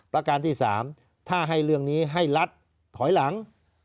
ประการที่๓ถ้าให้เรื่องนี้ให้รัฐถอยหลัง